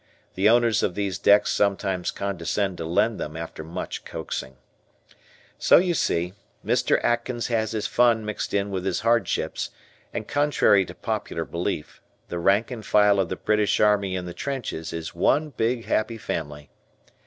The owners of these decks sometimes condescend to lend them after much coaxing. So you see, Mr. Atkins has his fun mixed in with his hardships, and, contrary to popular belief, the rank and file of the British Army in the trenches is one big happy family.